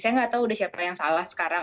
saya nggak tahu udah siapa yang salah sekarang